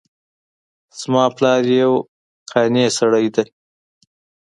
زما پلار یو قانع سړی ده